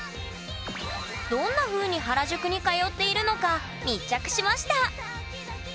どんなふうに原宿に通っているのか密着しました！